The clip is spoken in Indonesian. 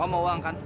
amp mau uang kan